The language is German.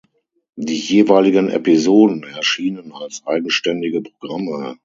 Die jeweiligen Episoden erschienen als eigenständige Programme.